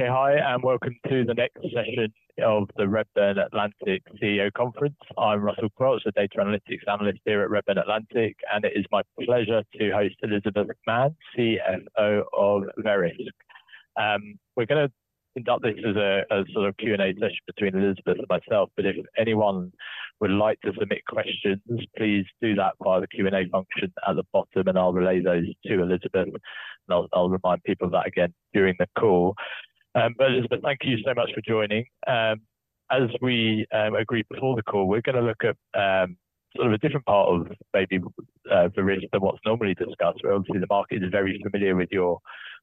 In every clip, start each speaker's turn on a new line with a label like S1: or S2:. S1: Okay, hi, and welcome to the next session of the Redburn Atlantic CEO Conference. I'm Russell Quelch, a data analytics analyst here at Redburn Atlantic, and it is my pleasure to host Elizabeth Mann, CFO of Verisk. We're gonna conduct this as a sort of Q&A session between Elizabeth and myself, but if anyone would like to submit questions, please do that via the Q&A function at the bottom, and I'll relay those to Elizabeth, and I'll remind people of that again during the call. But Elizabeth, thank you so much for joining. As we agreed before the call, we're gonna look at sort of a different part of maybe Verisk than what's normally discussed, where obviously the market is very familiar with your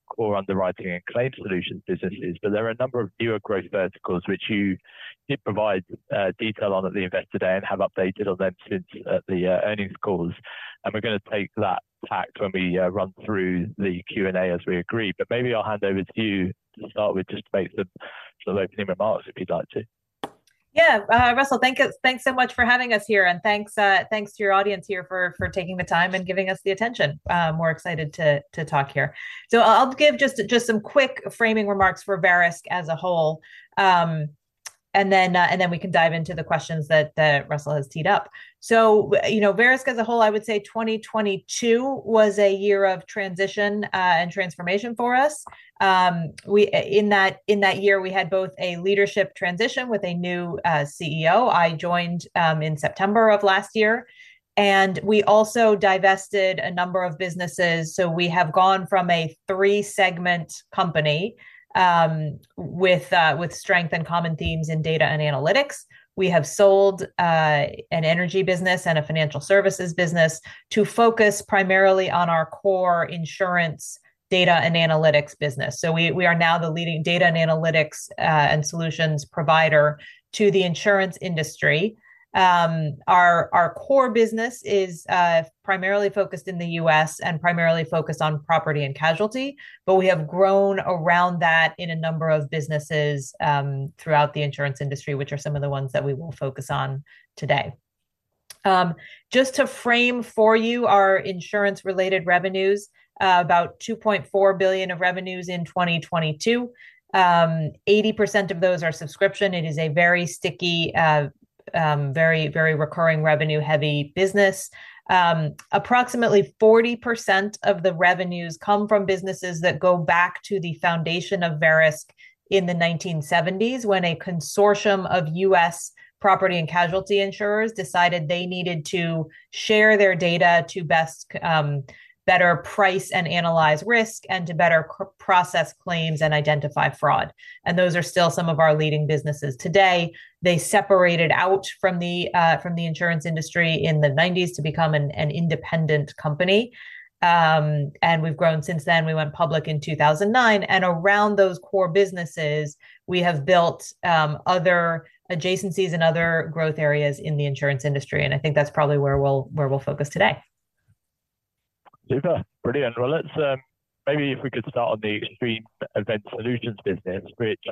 S1: core underwriting and claims solutions businesses. But there are a number of newer growth verticals which you did provide detail on at the Investor Day and have updated on them since the earnings calls. And we're gonna take that tack when we run through the Q&A as we agreed. But maybe I'll hand over to you to start with just to make some sort of opening remarks if you'd like to.
S2: Yeah, Russell, Thanks so much for having us here, and thanks, thanks to your audience here for taking the time and giving us the attention. We're excited to talk here. So I'll give just some quick framing remarks for Verisk as a whole. And then we can dive into the questions that Russell has teed up. So, you know, Verisk as a whole, I would say 2022 was a year of transition and transformation for us. We, in that year, we had both a leadership transition with a new CEO. I joined in September of last year, and we also divested a number of businesses. So we have gone from a three-segment company with strength and common themes in data and analytics. We have sold an energy business and a financial services business to focus primarily on our core insurance data and analytics business. So we are now the leading data and analytics and solutions provider to the insurance industry. Our core business is primarily focused in the U.S. and primarily focused on property and casualty, but we have grown around that in a number of businesses throughout the insurance industry, which are some of the ones that we will focus on today. Just to frame for you our insurance-related revenues, about $2.4 billion of revenues in 2022. 80% of those are subscription. It is a very sticky very very recurring revenue-heavy business. Approximately 40% of the revenues come from businesses that go back to the foundation of Verisk in the 1970s, when a consortium of U.S. property and casualty insurers decided they needed to share their data to better price and analyze risk, and to better process claims and identify fraud. Those are still some of our leading businesses today. They separated out from the insurance industry in the 1990s to become an independent company. We've grown since then. We went public in 2009, and around those core businesses, we have built other adjacencies and other growth areas in the insurance industry, and I think that's probably where we'll focus today.
S1: Super. Brilliant. Well, let's maybe if we could start on the Extreme Event Solutions business, which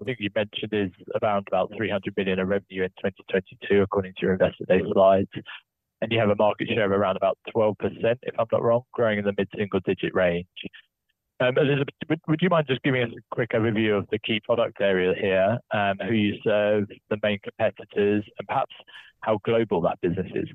S1: I think you mentioned is around about $300 billion in revenue in 2022, according to your Investor Day slides. And you have a market share of around about 12%, if I'm not wrong, growing in the mid-single-digit range. Elizabeth, would, would you mind just giving us a quick overview of the key product area here, who you serve, the main competitors, and perhaps how global that business is?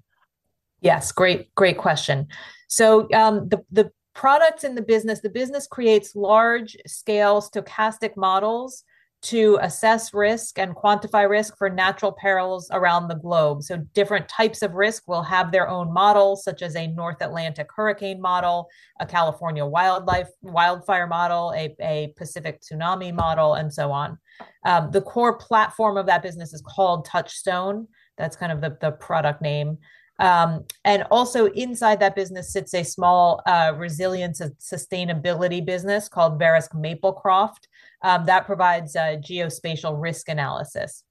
S2: Yes, great, great question. So, the products in the business, the business creates large-scale stochastic models to assess risk and quantify risk for natural perils around the globe. So different types of risk will have their own models, such as a North Atlantic hurricane model, a California wildfire model, a Pacific tsunami model, and so on. The core platform of that business is called Touchstone. That's kind of the product name. And also inside that business sits a small resilience and sustainability business called Verisk Maplecroft that provides geospatial risk analysis.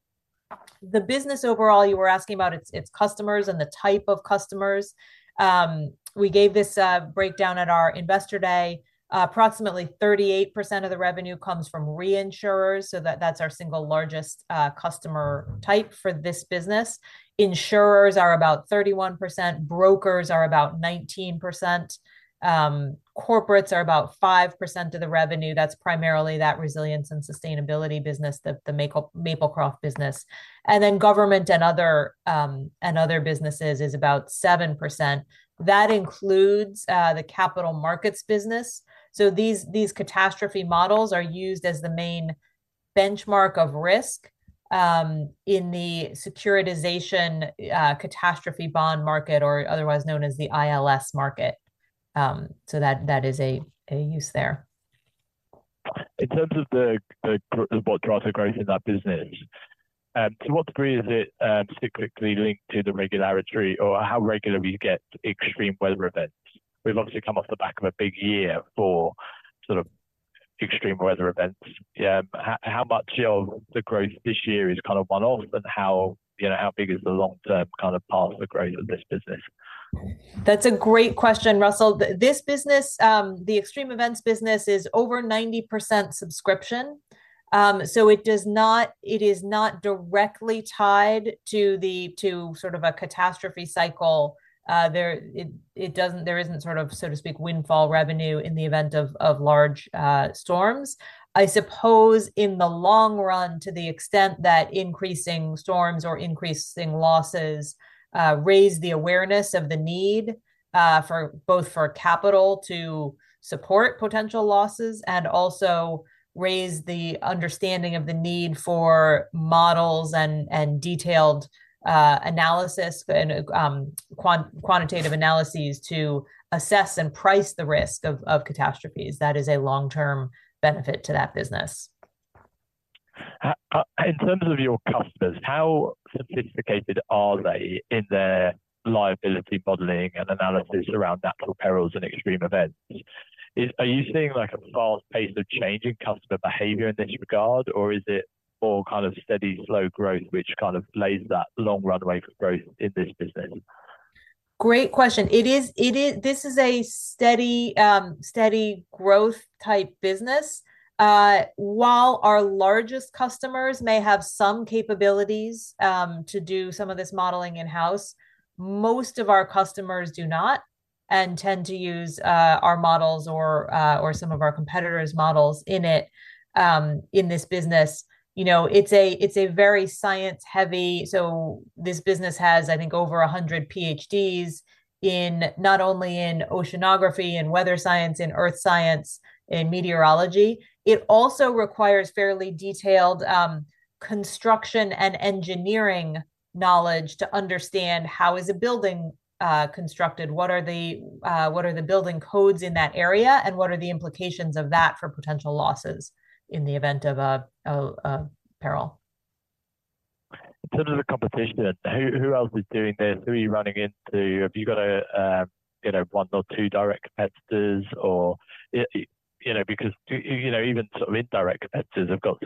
S2: The business overall, you were asking about its customers and the type of customers. We gave this breakdown at our Investor Day. Approximately 38% of the revenue comes from reinsurers, so that's our single largest customer type for this business. Insurers are about 31%, brokers are about 19%. Corporates are about 5% of the revenue. That's primarily that resilience and sustainability business, the, the Maplecroft business. And then government and other, and other businesses is about 7%. That includes, the capital markets business. So these, these catastrophe models are used as the main benchmark of risk, in the securitization, catastrophe bond market, or otherwise known as the ILS market. So that, that is a, a use there.
S1: In terms of what drives the growth in that business, to what degree is it specifically linked to the regulatory or how regular we get extreme weather events? We've obviously come off the back of a big year for extreme weather events. Yeah, how much of the growth this year is kind of one-off, and you know, how big is the long-term kind of path of growth of this business?
S2: That's a great question, Russell. This business, the extreme events business is over 90% subscription. So it does not—it is not directly tied to the, to sort of a catastrophe cycle. There, it, it doesn't, there isn't sort of, so to speak, windfall revenue in the event of, of large storms. I suppose in the long run, to the extent that increasing storms or increasing losses raise the awareness of the need, for both for capital to support potential losses, and also raise the understanding of the need for models and, and detailed analysis and, quantitative analyses to assess and price Verisk of, of catastrophes, that is a long-term benefit to that business.
S1: In terms of your customers, how sophisticated are they in their liability modeling and analysis around natural perils and extreme events? Are you seeing, like, a fast pace of change in customer behavior in this regard, or is it more kind of steady, slow growth, which kind of lays that long runway for growth in this business?
S2: Great question. It is—This is a steady, steady growth type business. While our largest customers may have some capabilities to do some of this modeling in-house, most of our customers do not, and tend to use our models or, or some of our competitors' models in it, in this business. You know, it's a, it's a very science-heavy, so this business has, I think, over 100 PhDs in, not only in oceanography, in weather science, in earth science, in meteorology. It also requires fairly detailed, construction and engineering knowledge to understand how is a building constructed? What are the, what are the building codes in that area, and what are the implications of that for potential losses in the event of a peril?
S1: In terms of the competition, who else is doing this? Who are you running into? Have you got a, you know, one or two direct competitors or... you know, because, you know, even sort of indirect competitors have got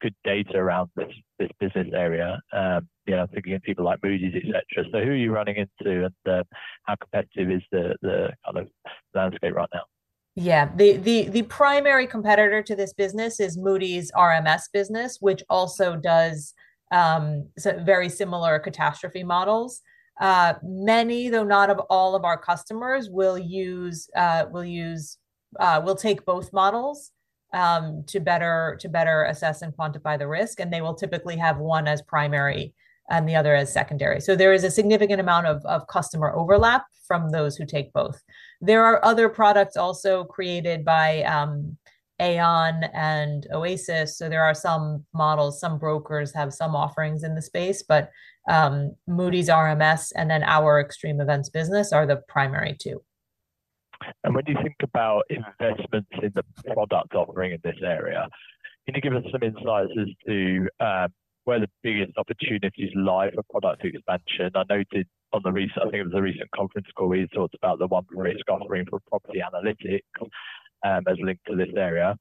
S1: good data around this business area. You know, I'm thinking of people like Moody's, et cetera. So who are you running into, and how competitive is the kind of landscape right now?
S2: Yeah. The primary competitor to this business is Moody's RMS business, which also does so very similar catastrophe models. Many, though not all, of our customers will take both models to better assess and quantify the risk, and they will typically have one as primary and the other as secondary. So there is a significant amount of customer overlap from those who take both. There are other products also created by Aon and Oasis, so there are some models. Some brokers have some offerings in the space, but Moody's RMS and then our extreme events business are the primary two.
S1: When you think about investments in the product offering in this area, can you give us some insights as to where the biggest opportunities lie for product expansion? I noted on the recent, I think it was a recent conference call, where you talked about the one Verisk offering for property analytics, as linked to this area.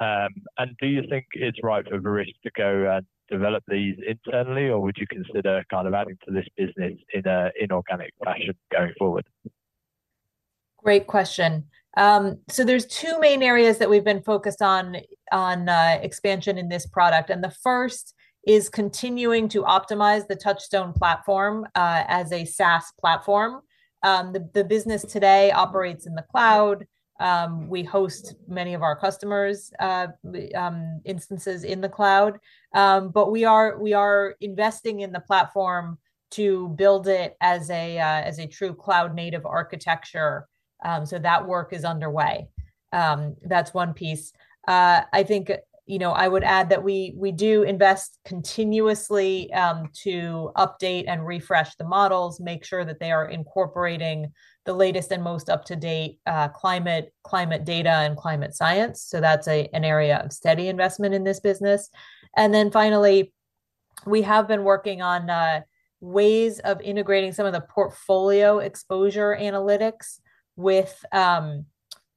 S1: And do you think it's right for Verisk to go and develop these internally, or would you consider kind of adding to this business in a inorganic fashion going forward?
S2: Great question. So there's two main areas that we've been focused on expansion in this product, and the first is continuing to optimize the Touchstone platform as a SaaS platform. The business today operates in the cloud. We host many of our customers' instances in the cloud. But we are investing in the platform to build it as a true cloud-native architecture. So that work is underway. That's one piece. I think, you know, I would add that we do invest continuously to update and refresh the models, make sure that they are incorporating the latest and most up-to-date climate data and climate science. So that's an area of steady investment in this business. And then finally, we have been working on ways of integrating some of the portfolio exposure analytics with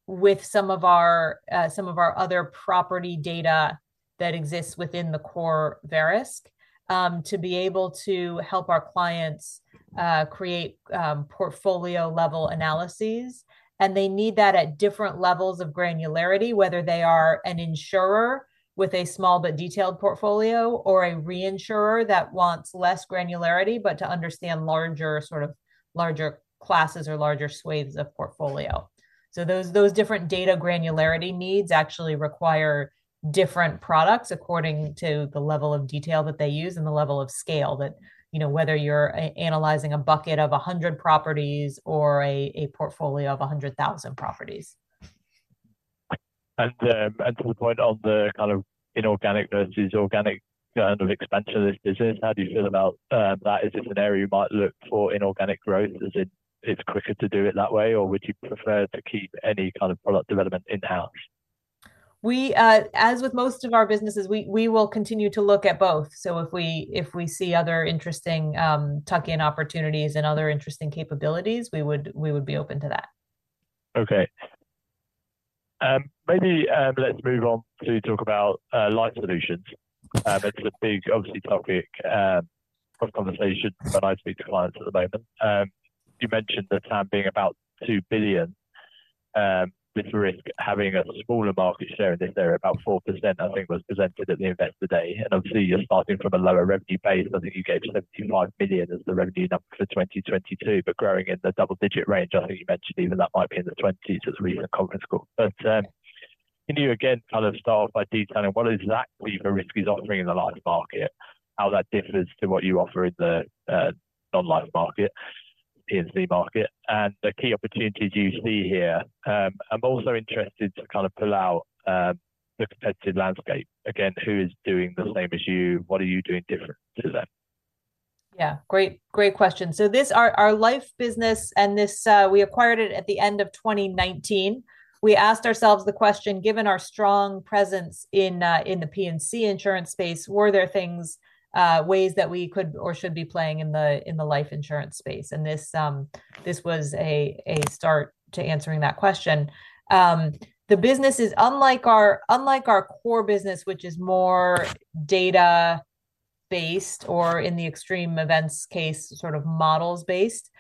S2: with some of our some of our other property data that exists within the core Verisk to be able to help our clients create portfolio-level analyses. And they need that at different levels of granularity, whether they are an insurer with a small but detailed portfolio, or a reinsurer that wants less granularity, but to understand larger, sort of, larger classes or larger swathes of portfolio. So those, those different data granularity needs actually require different products according to the level of detail that they use and the level of scale that, you know, whether you're analyzing a bucket of 100 properties or a portfolio of 100,000 properties.
S1: To the point of the kind of inorganic versus organic kind of expansion of this business, how do you feel about that? Is this an area you might look for inorganic growth, as it is quicker to do it that way, or would you prefer to keep any kind of product development in-house?
S2: We, as with most of our businesses, will continue to look at both. So if we see other interesting tuck-in opportunities and other interesting capabilities, we would be open to that.
S1: Okay, maybe let's move on to talk about Life Solutions. It's a big obviously topic of conversation when I speak to clients at the moment. You mentioned the TAM being about $2 billion, with Verisk having a smaller market share in this area, about 4%, I think, was presented at the Investor Day. And obviously, you're starting from a lower revenue base. I think you gave $75 billion as the revenue number for 2022, but growing in the double-digit range. I think you mentioned even that might be in the 20%s as we hit the conference call. But can you again kind of start by detailing what exactly the Verisk is offering in the life market, how that differs to what you offer in the non-life market, P&C market, and the key opportunities you see here? I'm also interested to kind of pull out the competitive landscape. Again, who is doing the same as you? What are you doing different to them?
S2: Yeah, great. Great question. So this, our life business and this, we acquired it at the end of 2019. We asked ourselves the question, given our strong presence in, in the P&C insurance space, were there things, ways that we could or should be playing in the, in the life insurance space? And this, this was a, a start to answering that question. The business is unlike our, unlike our core business, which is more data-based or in the extreme events case, sort of models based,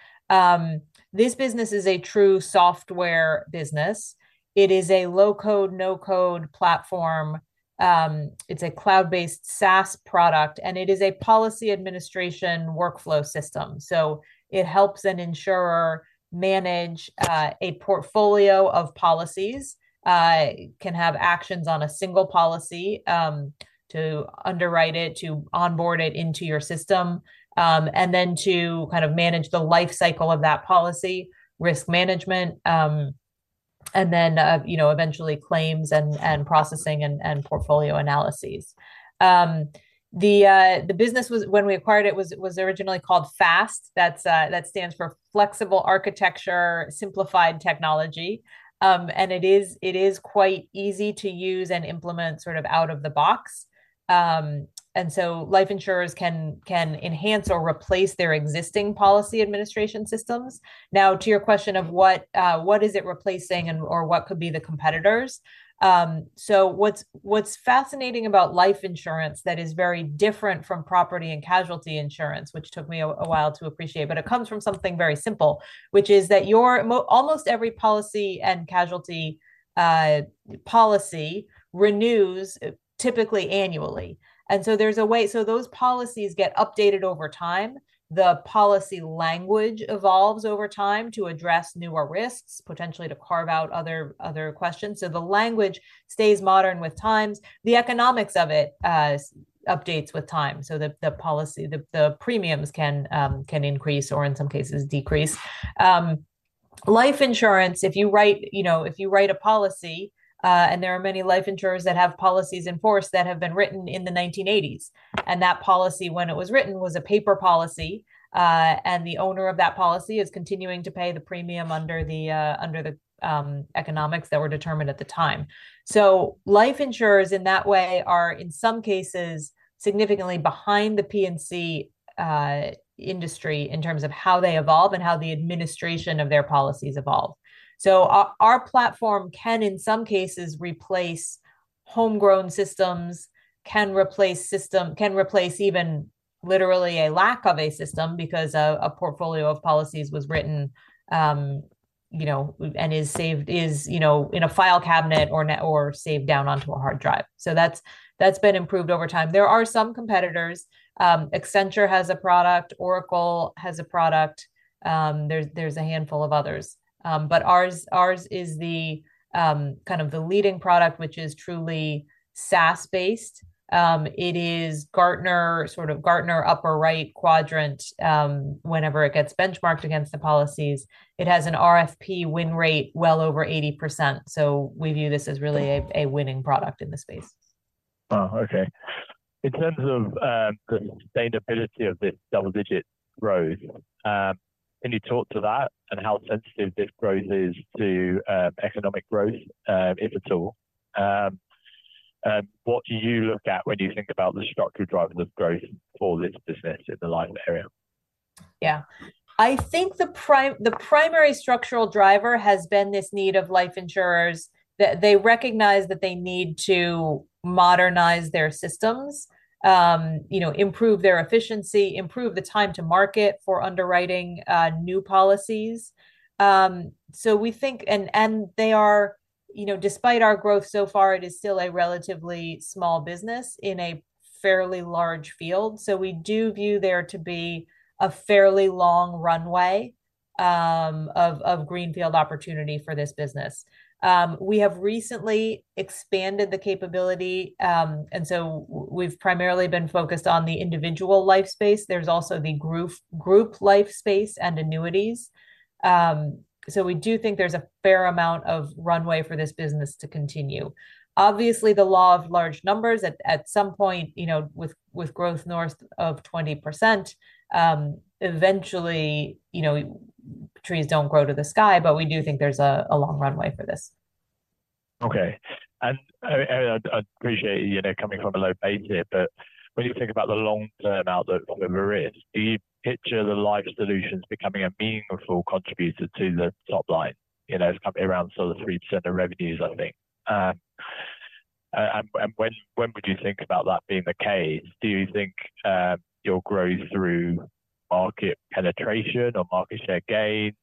S2: this business is a true software business. It is a low-code, no-code platform. It's a cloud-based SaaS product, and it is a policy administration workflow system. So it helps an insurer manage a portfolio of policies, can have actions on a single policy, to underwrite it, to onboard it into your system, and then to kind of manage the life cycle of that policy, risk management, and then, you know, eventually claims and processing and portfolio analyses. The business was when we acquired it, was originally called FAST. That stands for Flexible Architecture Simplified Technology. And it is quite easy to use and implement sort of out of the box. And so life insurers can enhance or replace their existing policy administration systems. Now, to your question of what, what is it replacing and or what could be the competitors? So what's fascinating about life insurance that is very different from property and casualty insurance, which took me a while to appreciate, but it comes from something very simple, which is that almost every property and casualty policy renews, typically annually. And so there's a way. So those policies get updated over time. The policy language evolves over time to address newer risks, potentially to carve out other questions. So the language stays modern with times. The economics of it updates with time. So the policy, the premiums can increase or in some cases, decrease. Life insurance, if you write, you know, if you write a policy, and there are many life insurers that have policies in force that have been written in the 1980s, and that policy, when it was written, was a paper policy, and the owner of that policy is continuing to pay the premium under the economics that were determined at the time. So life insurers, in that way, are, in some cases, significantly behind the P&C industry in terms of how they evolve and how the administration of their policies evolve. So our platform can, in some cases, replace homegrown systems, can replace system, can replace even literally a lack of a system, because a portfolio of policies was written, you know, and is saved, you know, in a file cabinet or saved down onto a hard drive. So that's been improved over time. There are some competitors. Accenture has a product, Oracle has a product, there's a handful of others. But ours is the kind of the leading product, which is truly SaaS-based. It is Gartner, sort of Gartner upper right quadrant, whenever it gets benchmarked against the policies. It has an RFP win rate well over 80%, so we view this as really a winning product in the space.
S1: Oh, okay. In terms of, the sustainability of this double-digit growth, can you talk to that and how sensitive this growth is to, economic growth, if at all? What do you look at when you think about the structural drivers of growth for this business in the life area?
S2: Yeah. I think the primary structural driver has been this need of life insurers, that they recognize that they need to modernize their systems, you know, improve their efficiency, improve the time to market for underwriting new policies. So we think—and they are, you know, despite our growth so far, it is still a relatively small business in a fairly large field. So we do view there to be a fairly long runway of greenfield opportunity for this business. We have recently expanded the capability, and so we've primarily been focused on the individual life space. There's also the group life space and annuities. So we do think there's a fair amount of runway for this business to continue. Obviously, the law of large numbers at some point, you know, with growth north of 20%, eventually, you know, trees don't grow to the sky, but we do think there's a long runway for this.
S1: Okay. And I appreciate, you know, coming from a low base here, but when you think about the long-term outlook of Everest, do you picture the Life Solutions becoming a meaningful contributor to the top line? You know, it's probably around sort of 3% of revenues, I think. And when would you think about that being the case? Do you think you'll grow through market penetration or market share gains,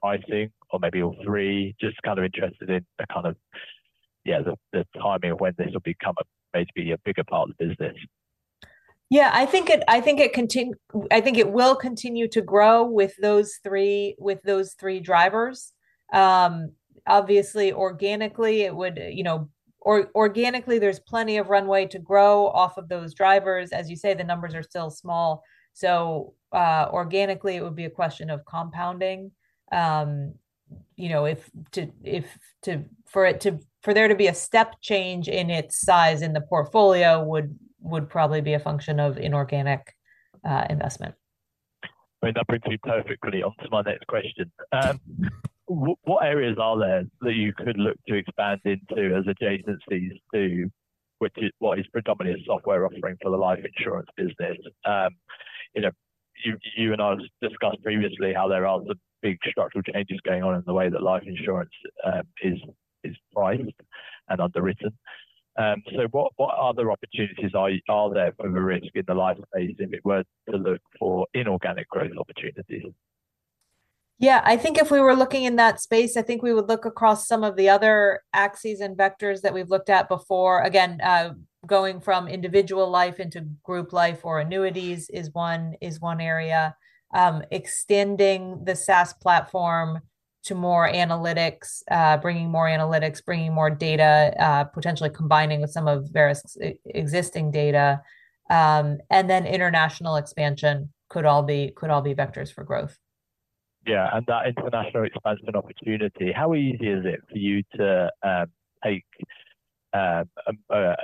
S1: pricing, or maybe all three? Just kind of interested in the kind of, yeah, the timing of when this will become a basically a bigger part of the business.
S2: Yeah, I think it will continue to grow with those three drivers. Obviously, organically, it would, you know, there's plenty of runway to grow off of those drivers. As you say, the numbers are still small. So, organically, it would be a question of compounding. You know, for there to be a step change in its size in the portfolio, would probably be a function of inorganic investment.
S1: Right. That brings me perfectly on to my next question. What areas are there that you could look to expand into as adjacencies to, which is what is predominantly a software offering for the life insurance business? You know, you and I have discussed previously how there are some big structural changes going on in the way that life insurance is priced and underwritten. So what other opportunities are there for Verisk in the life space, if it were to look for inorganic growth opportunities?
S2: Yeah, I think if we were looking in that space, I think we would look across some of the other axes and vectors that we've looked at before. Again, going from individual life into group life or annuities is one, is one area. Extending the SaaS platform to more analytics, bringing more analytics, bringing more data, potentially combining with some of Verisk's existing data, and then international expansion could all be, could all be vectors for growth.
S1: Yeah, and that international expansion opportunity, how easy is it for you to take an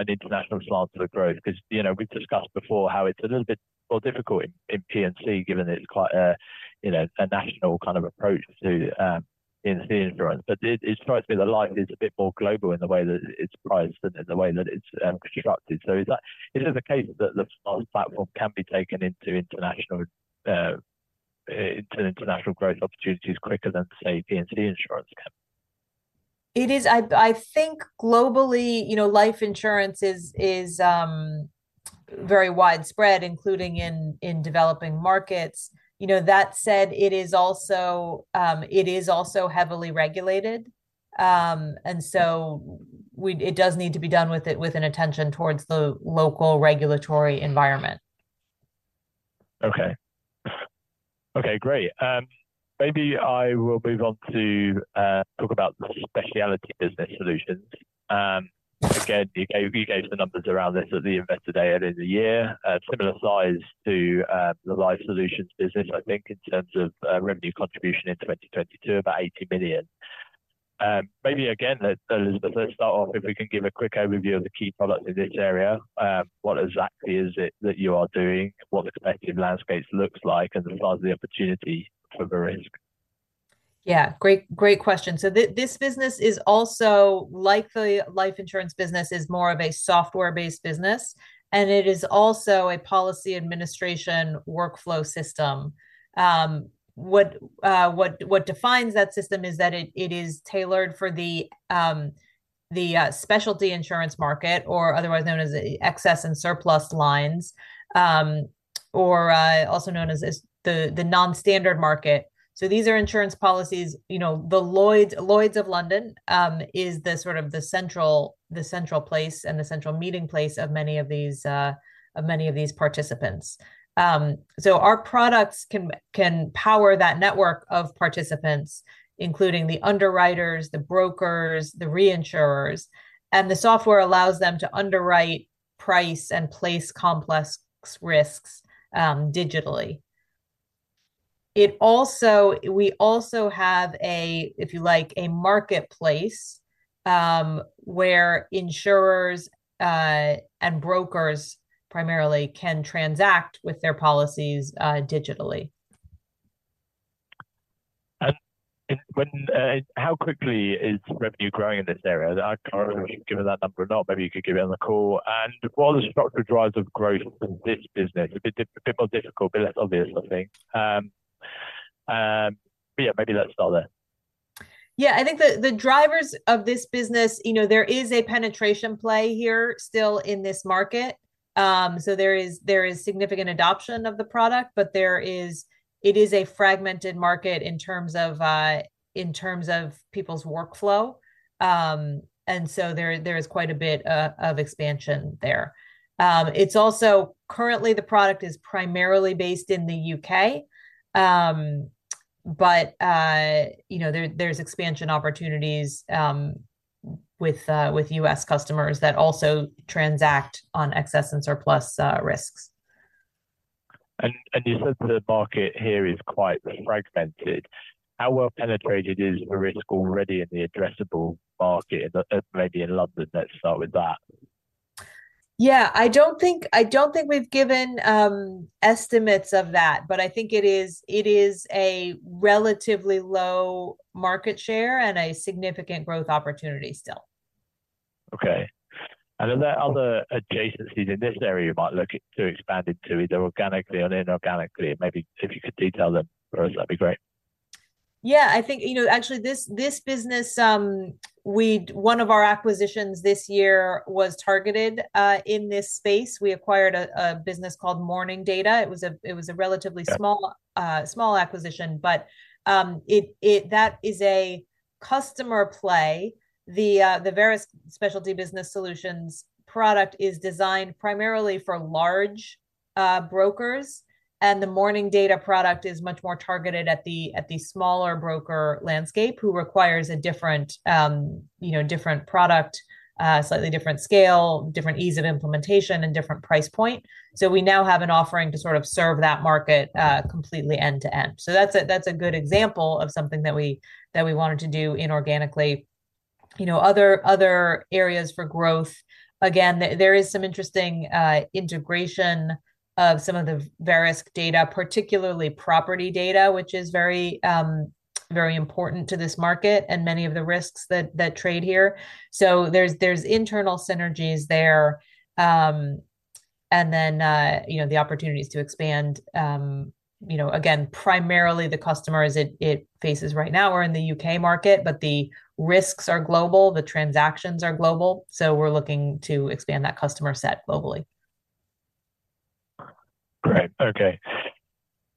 S1: international slant to the growth? 'Cause, you know, we've discussed before how it's a little bit more difficult in P&C, given that it's quite a national kind of approach to insurance. But it strikes me that life is a bit more global in the way that it's priced and in the way that it's constructed. So is that the case that the small platform can be taken into international growth opportunities quicker than, say, P&C insurance can?
S2: It is. I, I think globally, you know, life insurance is, is, very widespread, including in, in developing markets. You know, that said, it is also, it is also heavily regulated. And so it does need to be done with it, with an attention towards the local regulatory environment.
S1: Okay. Okay, great. Maybe I will move on to talk about the Specialty Business Solutions. Again, you gave, you gave the numbers around this at the Investor Day earlier in the year. Similar size to the Life Solutions business, I think, in terms of revenue contribution in 2022, about $80 million. Maybe again, let's start off, if we can give a quick overview of the key products in this area. What exactly is it that you are doing? What the competitive landscape looks like, as well as the opportunity for Verisk?
S2: Yeah, great, great question. So this business is also, like the life insurance business, is more of a software-based business, and it is also a policy administration workflow system. What defines that system is that it is tailored for the specialty insurance market or otherwise known as the excess and surplus lines, or also known as the non-standard market. So these are insurance policies. You know, Lloyd's of London is the central place and the central meeting place of many of these participants. So our products can power that network of participants, including the underwriters, the brokers, the reinsurers, and the software allows them to underwrite, price, and place complex risks digitally. It also—we also have a, if you like, a marketplace, where insurers and brokers primarily can transact with their policies, digitally.
S1: How quickly is revenue growing in this area? I can't remember, given that number or not, maybe you could give it on the call. What are the structural drivers of growth in this business? A bit more difficult, but less obvious, I think. But yeah, maybe let's start there.
S2: Yeah, I think the drivers of this business, you know, there is a penetration play here still in this market. So there is significant adoption of the product, but it is a fragmented market in terms of people's workflow. And so there is quite a bit of expansion there. It's also currently the product is primarily based in the U.K. But, you know, there, there's expansion opportunities with U.S. customers that also transact on excess and surplus risks.
S1: You said the market here is quite fragmented. How well penetrated is Verisk already in the addressable market, maybe in London? Let's start with that.
S2: Yeah, I don't think, I don't think we've given estimates of that, but I think it is, it is a relatively low market share and a significant growth opportunity still.
S1: Okay. Are there other adjacencies in this area you might look at to expand into, either organically or inorganically? Maybe if you could detail them for us, that'd be great.
S2: Yeah, I think, you know, actually, this, this business, we—one of our acquisitions this year was targeted in this space. We acquired a business called Morning Data. It was a relatively small small acquisition, but that is a customer play. The Verisk Specialty Business Solutions product is designed primarily for large brokers, and the Morning Data product is much more targeted at the smaller broker landscape, who requires a different, you know, different product, slightly different scale, different ease of implementation, and different price point. So we now have an offering to sort of serve that market completely end to end. So that's a good example of something that we wanted to do inorganically. You know, other areas for growth, again, there is some interesting integration of some of the Verisk data, particularly property data, which is very important to this market and many of the risks that trade here. So there's internal synergies there. Then, you know, the opportunities to expand, you know, again, primarily the customers it faces right now are in the U.K. market, but the risks are global, the transactions are global, so we're looking to expand that customer set globally.
S1: Great, okay.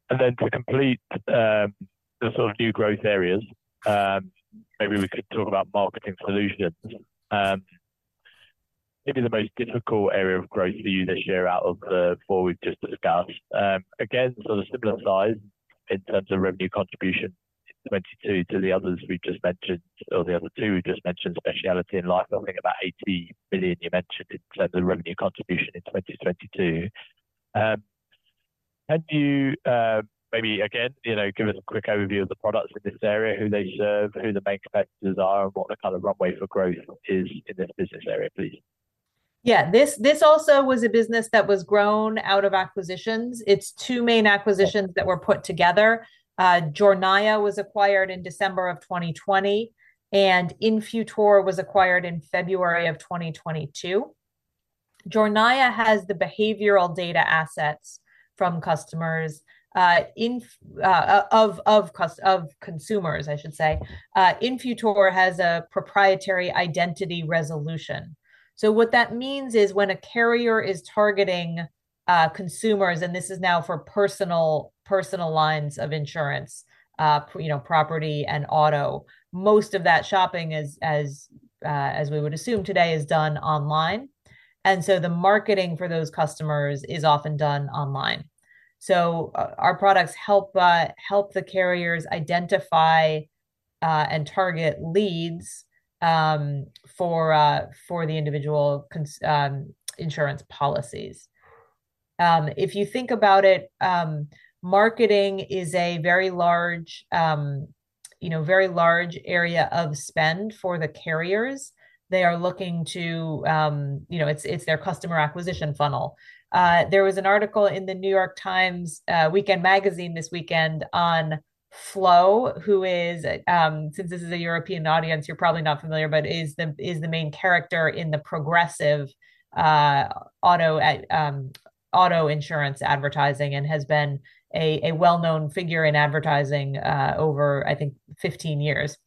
S1: And then to complete the sort of new growth areas, maybe we could talk about Marketing Solutions. Maybe the most difficult area of growth for you this year out of the four we've just discussed. Again, sort of similar size in terms of revenue contribution in 2022 to the others we've just mentioned, or the other two we've just mentioned, specialty and life. I think about $80 billion you mentioned in terms of revenue contribution in 2022. Can you maybe again, you know, give us a quick overview of the products in this area, who they serve, who the main competitors are, and what the kind of runway for growth is in this business area, please?
S2: Yeah. This also was a business that was grown out of acquisitions. It's two main acquisitions that were put together. Jornaya was acquired in December of 2020, and Infutor was acquired in February of 2022. Jornaya has the behavioral data assets from customers, of consumers, I should say. Infutor has a proprietary identity resolution. So what that means is when a carrier is targeting consumers, and this is now for personal lines of insurance, you know, property and auto, most of that shopping is, as we would assume today, done online. And so the marketing for those customers is often done online. So, our products help the carriers identify and target leads, for the individual insurance policies. If you think about it, marketing is a very large, you know, very large area of spend for the carriers. They are looking to—you know, it's, it's their customer acquisition funnel. There was an article in the New York Times, Weekend magazine this weekend on Flo, who is, since this is a European audience, you're probably not familiar, but is the, is the main character in the Progressive, auto insurance advertising and has been a, a well-known figure in advertising, over, I think, 15 years.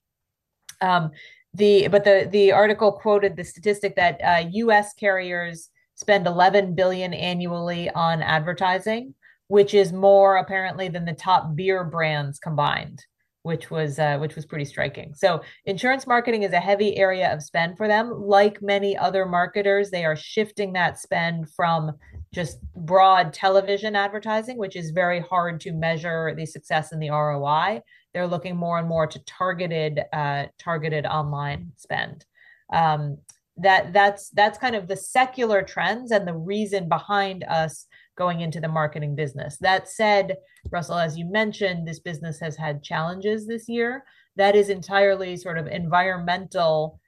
S2: But the article quoted the statistic that, U.S. carriers spend $11 billion annually on advertising, which is more apparently than the top beer brands combined, which was, which was pretty striking. So insurance marketing is a heavy area of spend for them. Like many other marketers, they are shifting that spend from just broad television advertising, which is very hard to measure the success and the ROI. They're looking more and more to targeted, targeted online spend. That's kind of the secular trends and the reason behind us going into the marketing business. That said, Russell, as you mentioned, this business has had challenges this year. That is entirely sort of environmental,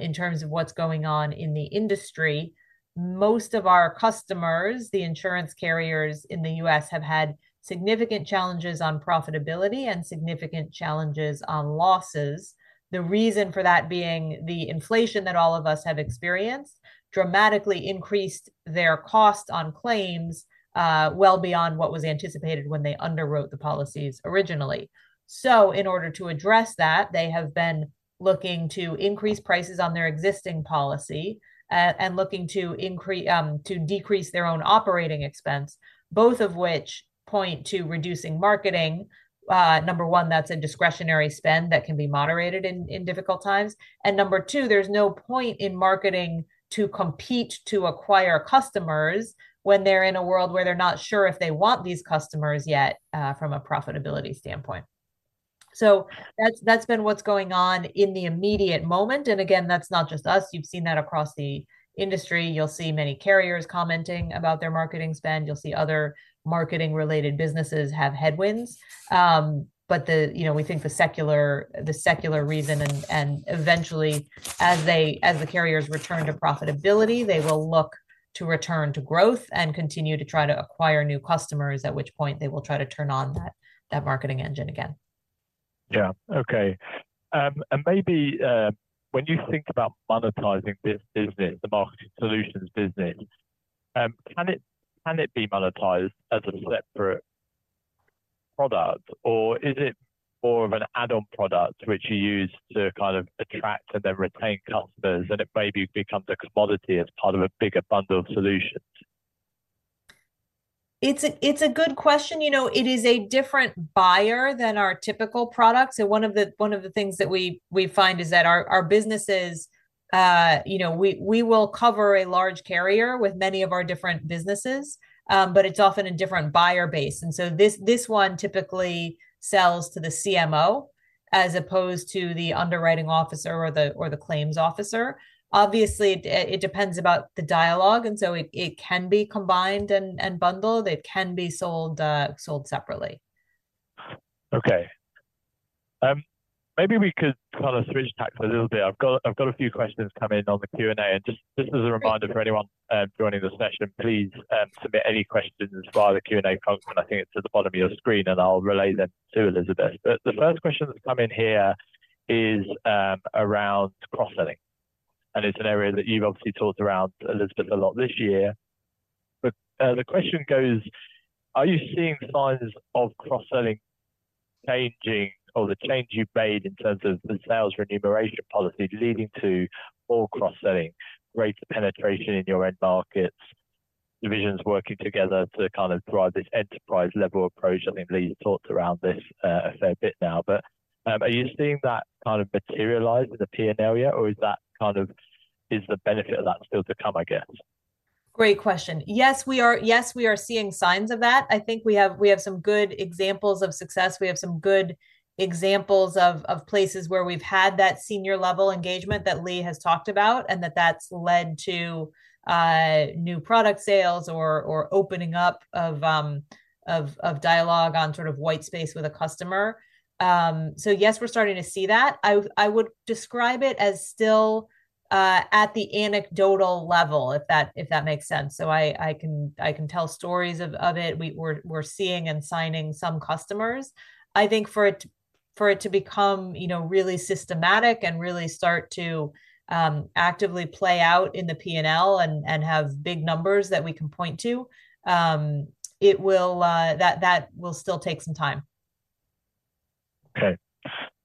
S2: in terms of what's going on in the industry. Most of our customers, the insurance carriers in the U.S., have had significant challenges on profitability and significant challenges on losses. The reason for that being the inflation that all of us have experienced dramatically increased their cost on claims, well beyond what was anticipated when they underwrote the policies originally. So in order to address that, they have been looking to increase prices on their existing policy, and looking to decrease their own operating expense, both of which point to reducing marketing. Number one, that's a discretionary spend that can be moderated in difficult times. And number two, there's no point in marketing to compete to acquire customers when they're in a world where they're not sure if they want these customers yet from a profitability standpoint. So that's what's been going on in the immediate moment, and again, that's not just us. You've seen that across the industry. You'll see many carriers commenting about their marketing spend. You'll see other marketing-related businesses have headwinds, but the—you know, we think the secular reason and eventually, as the carriers return to profitability, they will look to return to growth and continue to try to acquire new customers, at which point they will try to turn on that marketing engine again.
S1: Yeah. Okay. And maybe, when you think about monetizing this business, the Marketing Solutions business, can it be monetized as a separate product, or is it more of an add-on product, which you use to kind of attract and then retain customers, and it maybe becomes a commodity as part of a bigger bundle of solutions?
S2: It's a good question. You know, it is a different buyer than our typical products, and one of the things that we find is that our businesses, you know, we will cover a large carrier with many of our different businesses. But it's often a different buyer base, and so this one typically sells to the CMO as opposed to the underwriting officer or the claims officer. Obviously, it depends about the dialogue, and so it can be combined and bundled. It can be sold separately.
S1: Okay. Maybe we could kind of switch tack for a little bit. I've got a few questions come in on the Q&A, and just as a reminder for anyone joining the session, please submit any questions via the Q&A function. I think it's at the bottom of your screen, and I'll relay them to Elizabeth. But the first question that's come in here is around cross-selling, and it's an area that you've obviously talked around, Elizabeth, a lot this year. But the question goes: Are you seeing signs of cross-selling changing or the change you've made in terms of the sales remuneration policy leading to more cross-selling, greater penetration in your end markets, divisions working together to kind of drive this enterprise-level approach? I think Lee's talked around this a fair bit now, but are you seeing that kind of materialize with the P&L area, or is that kind of... Is the benefit of that still to come, I guess?
S2: Great question. Yes, we are. Yes, we are seeing signs of that. I think we have some good examples of success. We have some good examples of places where we've had that senior-level engagement that Lee has talked about, and that's led to new product sales or opening up of dialogue on sort of white space with a customer. So yes, we're starting to see that. I would describe it as still at the anecdotal level, if that makes sense. So I can tell stories of it. We're seeing and signing some customers. I think for it to become, you know, really systematic and really start to actively play out in the P&L and have big numbers that we can point to, it will—that will still take some time.
S1: Okay.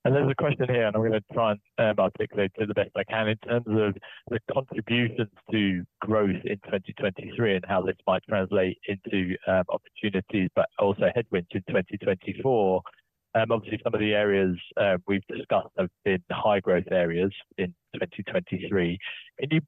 S1: And there's a question here, and I'm gonna try and articulate it the best I can in terms of the contributions to growth in 2023 and how this might translate into opportunities, but also headwinds in 2024. Obviously, some of the areas we've discussed have been high growth areas in 2023. Can you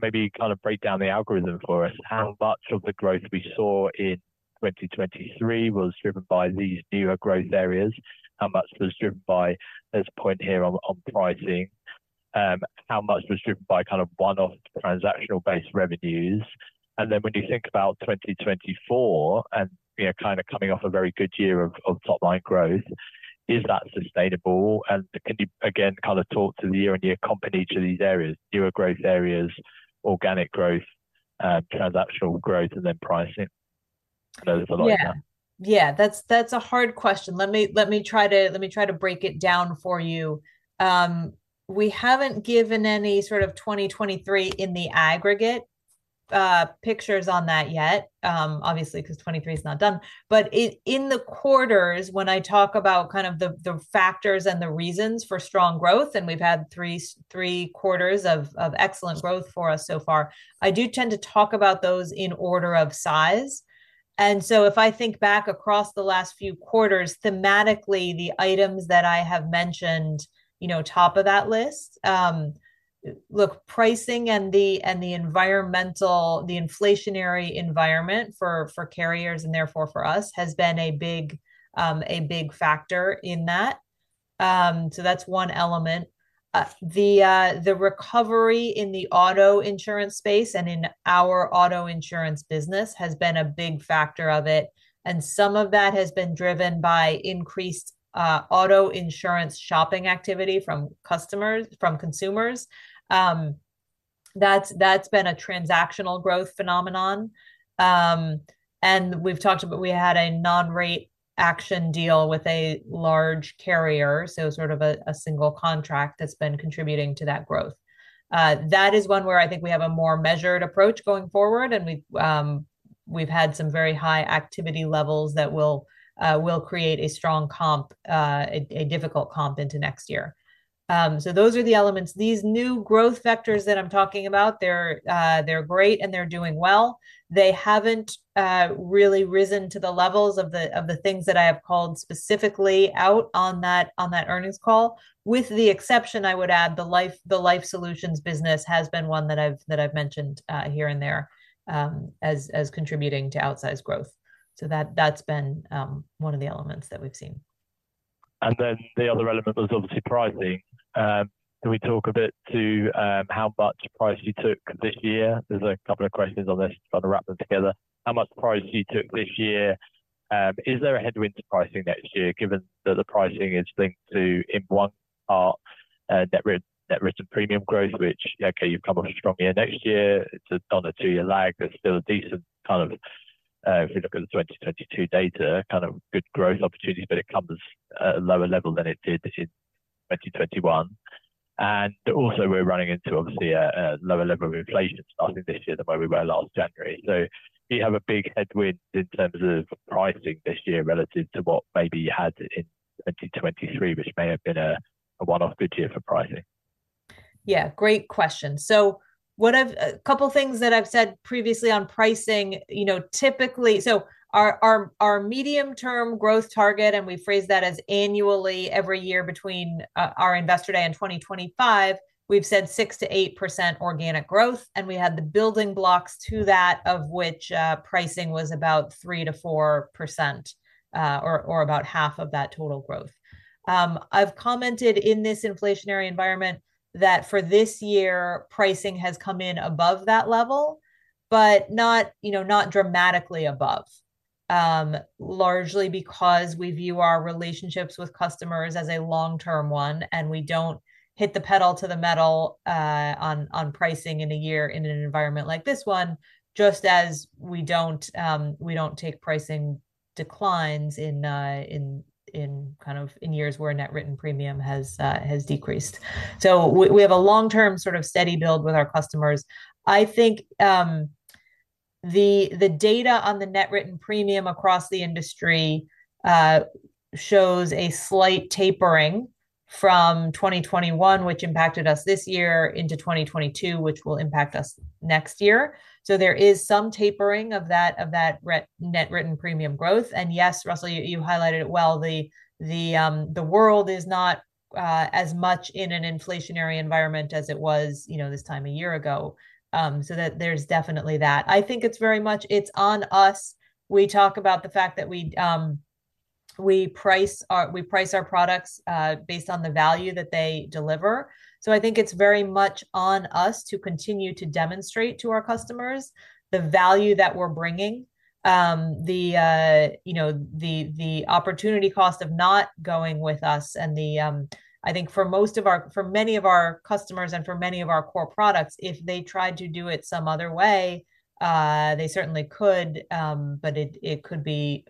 S1: maybe kind of break down the algorithm for us, how much of the growth we saw in 2023 was driven by these newer growth areas? How much was driven by—There's a point here on pricing. How much was driven by kind of one-off transactional-based revenues? And then when you think about 2024, and you know, kind of coming off a very good year of top line growth, is that sustainable? Can you again kind of talk to the year-on-year commentary on these areas, newer growth areas, organic growth, transactional growth, and then pricing? I know there's a lot there.
S2: Yeah. Yeah, that's a hard question. Let me try to break it down for you. We haven't given any sort of 2023 in the aggregate pictures on that yet, obviously, because 2023 is not done. But in the quarters, when I talk about kind of the factors and the reasons for strong growth, and we've had three quarters of excellent growth for us so far, I do tend to talk about those in order of size. And so if I think back across the last few quarters, thematically, the items that I have mentioned, you know, top of that list. Look, pricing and the environmental, the inflationary environment for carriers, and therefore for us, has been a big factor in that. So that's one element. The recovery in the auto insurance space and in our auto insurance business has been a big factor of it, and some of that has been driven by increased auto insurance shopping activity from customers, from consumers. That's been a transactional growth phenomenon. And we've talked about we had a non-rate action deal with a large carrier, so sort of a single contract that's been contributing to that growth. That is one where I think we have a more measured approach going forward, and we've had some very high activity levels that will create a strong comp, a difficult comp into next year. So those are the elements. These new growth vectors that I'm talking about, they're great, and they're doing well. They haven't really risen to the levels of the things that I have called specifically out on that earnings call. With the exception, I would add, the Life Solutions business has been one that I've mentioned here and there as contributing to outsized growth. So that's been one of the elements that we've seen.
S1: And then the other element was obviously pricing. Can we talk a bit to how much price you took this year? There's a couple of questions on this. Just try to wrap them together. How much price you took this year? Is there a headwind to pricing next year, given that the pricing is linked to in one part, net written premium growth, which, okay, you've come off a strong year. Next year, it's on a 2-year lag. There's still a decent kind of, if you look at the 2022 data, kind of good growth opportunity, but it comes at a lower level than it did in 2021. And also we're running into obviously a lower level of inflation starting this year than where we were last January. So do you have a big headwind in terms of pricing this year relative to what maybe you had in 2023, which may have been a one-off good year for pricing?
S2: Yeah, great question. So what I've... A couple things that I've said previously on pricing, you know, typically, so our, our, our medium-term growth target, and we phrase that as annually every year between our Investor Day in 2025, we've said 6%-8% organic growth, and we had the building blocks to that, of which pricing was about 3%-4%, or about half of that total growth. I've commented in this inflationary environment that for this year, pricing has come in above that level, but not, you know, not dramatically above. Largely because we view our relationships with customers as a long-term one, and we don't hit the pedal to the metal on pricing in a year in an environment like this one, just as we don't, we don't take pricing declines in kind of years where net written premium has decreased. So we have a long-term sort of steady build with our customers. I think the data on the net written premium across the industry shows a slight tapering from 2021, which impacted us this year, into 2022, which will impact us next year. So there is some tapering of that net written premium growth. Yes, Russell, you highlighted it well, the world is not as much in an inflationary environment as it was, you know, this time a year ago. So that there's definitely that. I think it's very much on us. We talk about the fact that we price our products based on the value that they deliver. So I think it's very much on us to continue to demonstrate to our customers the value that we're bringing. The, you know, the opportunity cost of not going with us and the—I think for many of our customers and for many of our core products, if they tried to do it some other way, they certainly could, but it, it could be,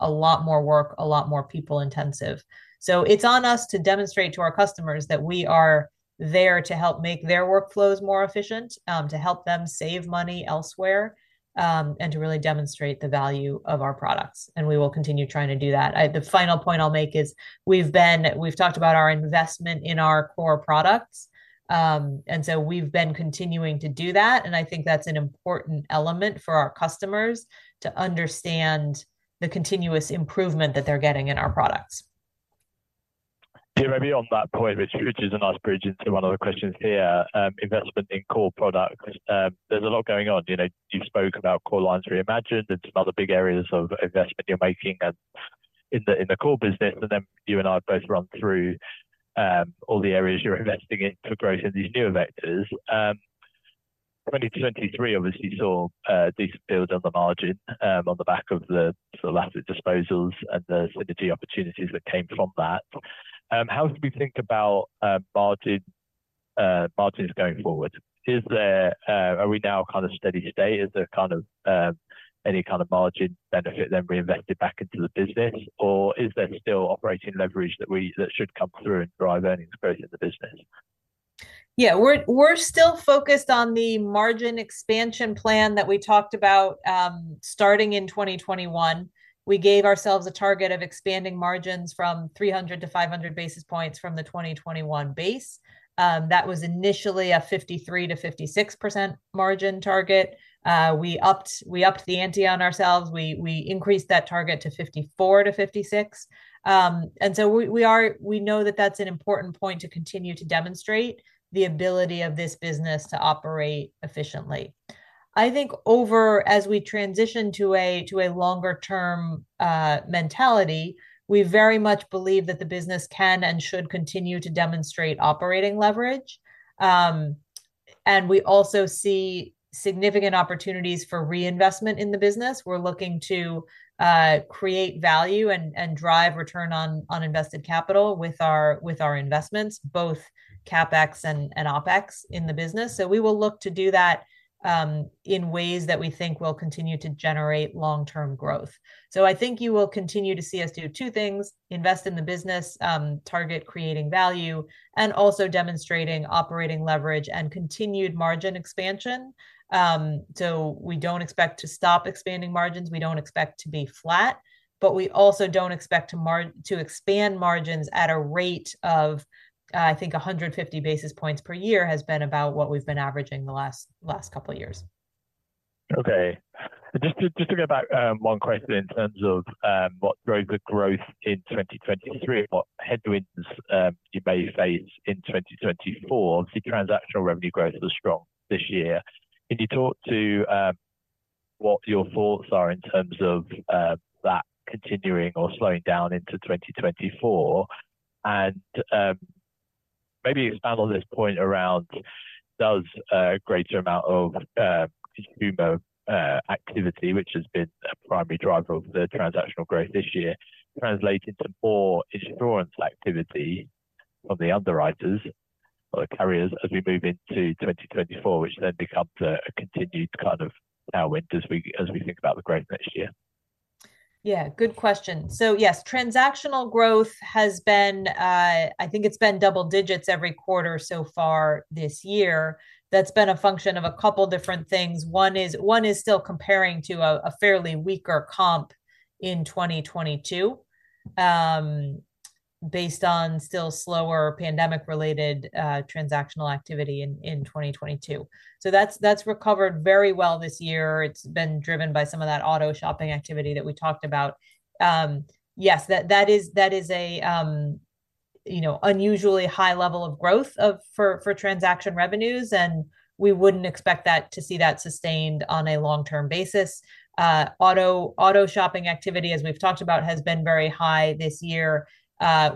S2: a lot more work, a lot more people intensive. So it's on us to demonstrate to our customers that we are there to help make their workflows more efficient, to help them save money elsewhere, and to really demonstrate the value of our products, and we will continue trying to do that. The final point I'll make is, we've talked about our investment in our core products. And so we've been continuing to do that, and I think that's an important element for our customers to understand the continuous improvement that they're getting in our products.
S1: Yeah, maybe on that point, which is a nice bridge into one of the questions here, investment in core products. There's a lot going on. You know, you spoke about Core Lines Reimagine and some other big areas of investment you're making, in the, in the core business, and then you and I both run through, all the areas you're investing in for growth in these newer vectors. 2023 obviously saw a decent build on the margin, on the back of the sort of asset disposals and the synergy opportunities that came from that. How do we think about, margin, margins going forward? Is there—are we now kind of steady state? Is there kind of, any kind of margin benefit then reinvested back into the business? Or is there still operating leverage that should come through and drive earnings growth in the business?
S2: Yeah. We're still focused on the margin expansion plan that we talked about, starting in 2021. We gave ourselves a target of expanding margins from 300 basis points-500 basis points from the 2021 base. That was initially a 53%-56% margin target. We upped the ante on ourselves. We increased that target to 54%-56%. And so we are—we know that that's an important point to continue to demonstrate the ability of this business to operate efficiently. I think as we transition to a longer-term mentality, we very much believe that the business can and should continue to demonstrate operating leverage. And we also see significant opportunities for reinvestment in the business. We're looking to create value and drive return on uninvested capital with our investments, both CapEx and OpEx in the business. So we will look to do that in ways that we think will continue to generate long-term growth. So I think you will continue to see us do two things: invest in the business, target creating value, and also demonstrating operating leverage and continued margin expansion. So we don't expect to stop expanding margins. We don't expect to be flat, but we also don't expect to expand margins at a rate of, I think, 150 basis points per year has been about what we've been averaging the last couple of years.
S1: Okay. Just to go back, one question in terms of what drove the growth in 2023 and what headwinds you may face in 2024. The transactional revenue growth was strong this year. Can you talk to what your thoughts are in terms of that continuing or slowing down into 2024? And maybe expand on this point around does a greater amount of human activity, which has been a primary driver of the transactional growth this year, translate into more insurance activity from the underwriters or the carriers as we move into 2024, which then becomes a continued kind of tailwind as we think about the growth next year?
S2: Yeah, good question. So yes, transactional growth has been, I think it's been double digits every quarter so far this year. That's been a function of a couple different things. One is, one is still comparing to a fairly weaker comp in 2022, based on still slower pandemic-related transactional activity in 2022. So that's recovered very well this year. It's been driven by some of that auto shopping activity that we talked about. Yes, that is a you know, unusually high level of growth for transaction revenues, and we wouldn't expect that to see that sustained on a long-term basis. Auto shopping activity, as we've talked about, has been very high this year.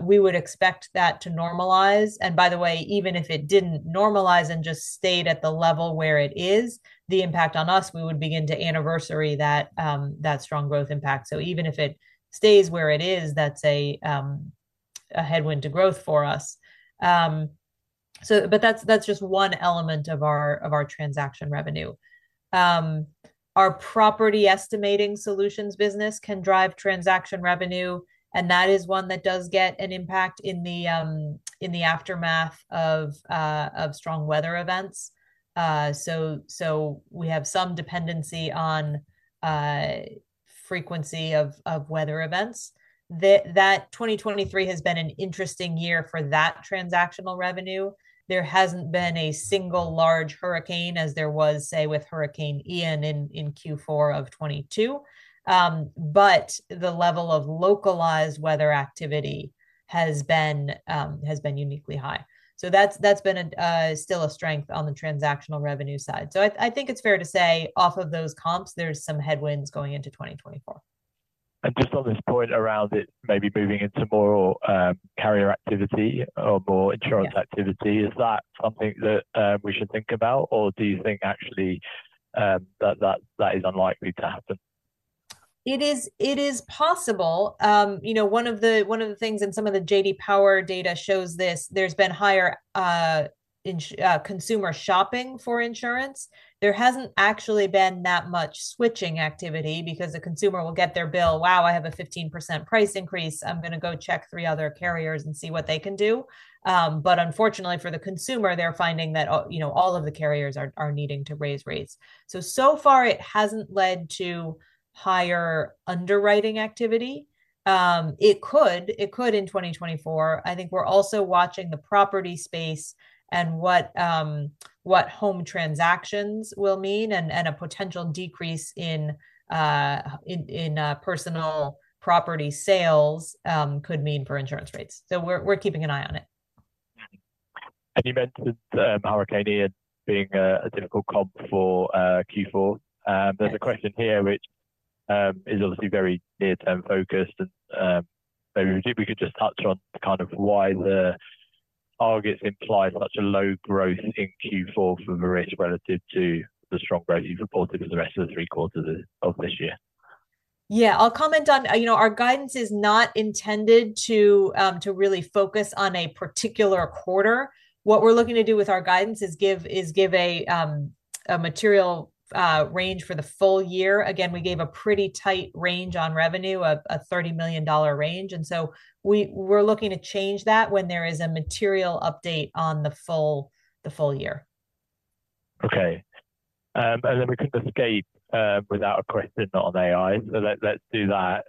S2: We would expect that to normalize. And by the way, even if it didn't normalize and just stayed at the level where it is, the impact on us, we would begin to anniversary that, that strong growth impact. So even if it stays where it is, that's a, a headwind to growth for us. So but that's, that's just one element of our, of our transaction revenue. Our Property Estimating Solutions business can drive transaction revenue, and that is one that does get an impact in the, in the aftermath of, of strong weather events. So, so we have some dependency on, frequency of, of weather events. 2023 has been an interesting year for that transactional revenue. There hasn't been a single large hurricane as there was, say, with Hurricane Ian in Q4 of 2022. But the level of localized weather activity has been, has been uniquely high. So that's, that's been still a strength on the transactional revenue side. So I, I think it's fair to say, off of those comps, there's some headwinds going into 2024.
S1: Just on this point around it, maybe moving into more carrier activity or more insurance activity, is that something that we should think about, or do you think actually that is unlikely to happen?
S2: It is possible. You know, one of the things, and some of the J.D. Power data shows this, there's been higher consumer shopping for insurance. There hasn't actually been that much switching activity, because the consumer will get their bill, "Wow, I have a 15% price increase. I'm gonna go check three other carriers and see what they can do." But unfortunately, for the consumer, they're finding that all, you know, all of the carriers are needing to raise rates. So far it hasn't led to higher underwriting activity. It could. It could in 2024. I think we're also watching the property space and what home transactions will mean, and a potential decrease in personal property sales could mean for insurance rates, so we're keeping an eye on it.
S1: You mentioned Hurricane Ian being a difficult comp for Q4. There's a question here which is obviously very near-term focused, and maybe if you could just touch on kind of why the targets imply such a low growth in Q4 for Verisk, relative to the strong growth you've reported for the rest of the three quarters of this year.
S2: Yeah. I'll comment on. You know, our guidance is not intended to to really focus on a particular quarter. What we're looking to do with our guidance is give a material range for the full year. Again, we gave a pretty tight range on revenue, a $30 million range, and so we're looking to change that when there is a material update on the full year.
S1: Okay. And then we couldn't escape without a question on AI, so let's do that.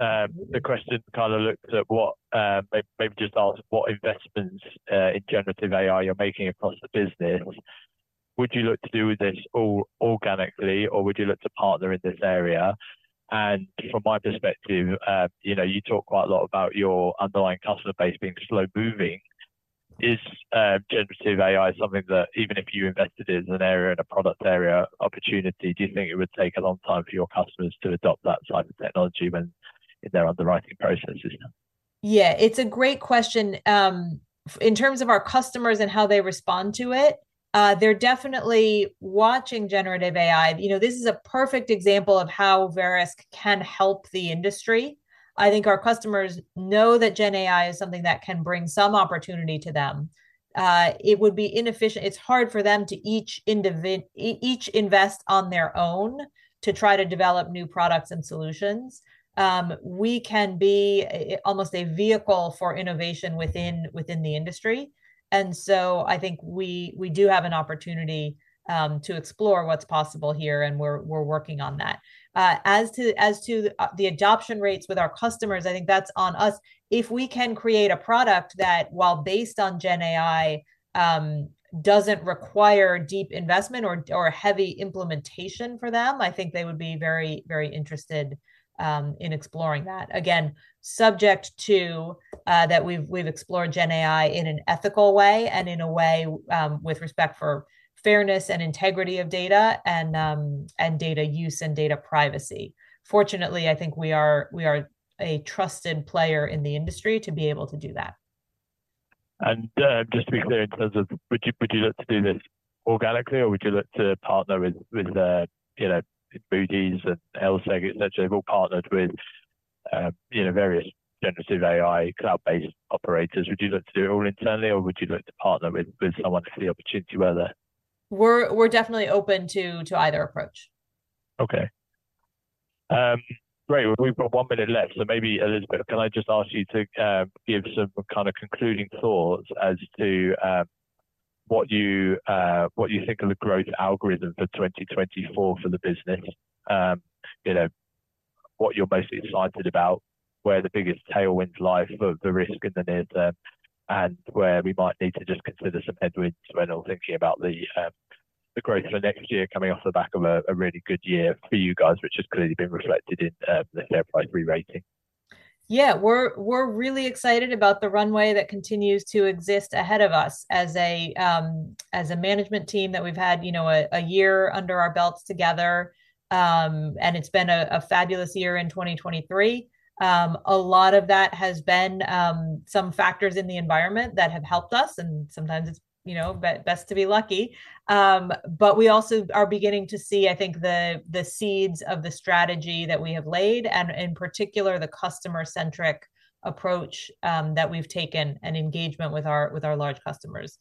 S1: The question kind of looks at what, maybe just ask what investments in generative AI you're making across the business. Would you look to do this all organically, or would you look to partner in this area? And from my perspective, you know, you talk quite a lot about your underlying customer base being slow moving. Is generative AI something that, even if you invested in an area, in a product area opportunity, do you think it would take a long time for your customers to adopt that type of technology when in their underwriting processes?
S2: Yeah, it's a great question. In terms of our customers and how they respond to it, they're definitely watching generative AI. You know, this is a perfect example of how Verisk can help the industry. I think our customers know that gen AI is something that can bring some opportunity to them. It would be inefficient. It's hard for them to each invest on their own to try to develop new products and solutions. We can be almost a vehicle for innovation within the industry, and so I think we do have an opportunity to explore what's possible here, and we're working on that. As to the adoption rates with our customers, I think that's on us. If we can create a product that, while based on Gen AI, doesn't require deep investment or heavy implementation for them, I think they would be very, very interested in exploring that. Again, subject to that we've explored Gen AI in an ethical way and in a way with respect for fairness and integrity of data, and data use and data privacy. Fortunately, I think we are a trusted player in the industry to be able to do that.
S1: Just to be clear, in terms of would you, would you look to do this organically, or would you look to partner with, with, you know, and LSEG, et cetera, all partnered with, you know, various generative AI, cloud-based operators? Would you look to do it all internally, or would you look to partner with, with someone if the opportunity were there?
S2: We're definitely open to either approach.
S1: Okay. Great. We've got one minute left, so maybe, Elizabeth, can I just ask you to give some kind of concluding thoughts as to what you think are the growth algorithm for 2024 for the business? You know, what you're most excited about, where the biggest tailwinds lie for the risk in the near term, and where we might need to just consider some headwinds when thinking about the growth for next year, coming off the back of a really good year for you guys, which has clearly been reflected in the share price rerating.
S2: Yeah. We're, we're really excited about the runway that continues to exist ahead of us as a management team that we've had, you know, a year under our belts together. And it's been a fabulous year in 2023. A lot of that has been some factors in the environment that have helped us, and sometimes it's, you know, best to be lucky. But we also are beginning to see, I think, the seeds of the strategy that we have laid, and in particular, the customer-centric approach that we've taken, and engagement with our large customers.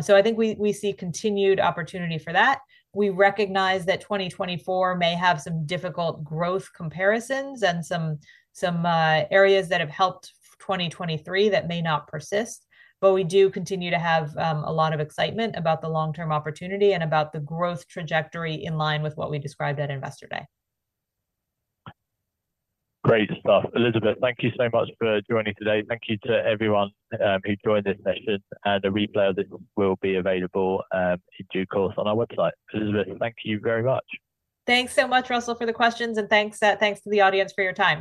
S2: So I think we see continued opportunity for that. We recognize that 2024 may have some difficult growth comparisons and some areas that have helped 2023 that may not persist, but we do continue to have a lot of excitement about the long-term opportunity and about the growth trajectory in line with what we described at Investor Day.
S1: Great stuff. Elizabeth, thank you so much for joining today. Thank you to everyone who joined this session, and a replay of it will be available in due course on our website. Elizabeth, thank you very much.
S2: Thanks so much, Russell, for the questions, and thanks to the audience for your time.